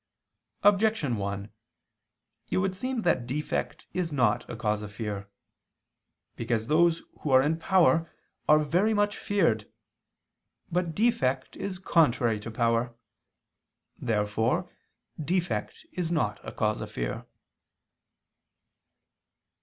Objection 1: It would seem that defect is not a cause of fear. Because those who are in power are very much feared. But defect is contrary to power. Therefore defect is not a cause of fear.